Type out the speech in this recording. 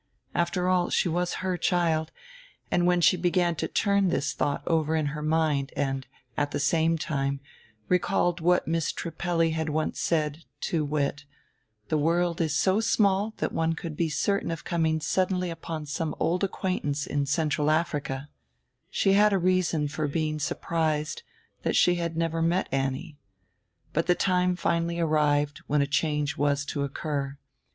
After all she was her child, and when she began to turn this thought over in her mind and, at the same time, recalled what Miss Trippelli had once said, to wit: "The world is so small that one could be certain of coming suddenly upon some old acquaintance in Central Africa," she had a reason for being surprised that she had never met Annie. But the time finally arrived when a change was to occur.